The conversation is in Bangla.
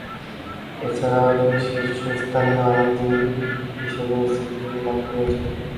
এছাড়াও তিনি "শীর্ষস্থানীয় আইনজীবী" হিসাবে স্বীকৃতি লাভ করেছেন।